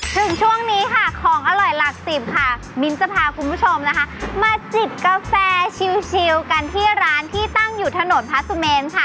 ถึงช่วงนี้ค่ะของอร่อยหลักสิบค่ะมิ้นจะพาคุณผู้ชมนะคะมาจิบกาแฟชิวกันที่ร้านที่ตั้งอยู่ถนนพระสุเมนค่ะ